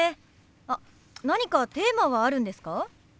あっ何かテーマはあるんですか？